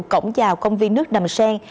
cổng chào công viên nước đầm sen